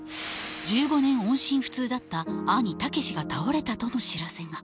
１５年音信不通だった兄武志が倒れたとの知らせが。